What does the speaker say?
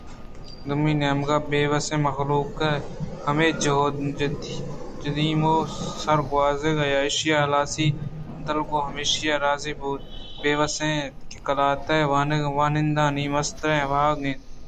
دومی نیمگ ءَ بے وسیں مہلوک ہمے جدیم ءِ سرگوٛزگ یا ایشیءِ ہلاسی ءِ بدل ءَ گوں ہمیشی ءَ راضی بوئگ ءَ بے وس اِنت کہ قلات ءِ واہُندانی مستریں واہگ اِنت